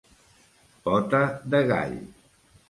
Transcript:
Pota de gall.